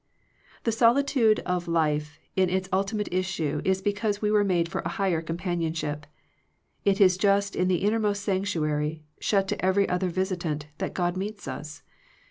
The solitude of life in its ultimate issue is because we were made for a higher companionship. It is just in the inner most sanctuary, shut to every other visit ant, that God meets us.